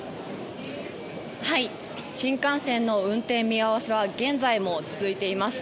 新幹線の運転見合わせは現在も続いています。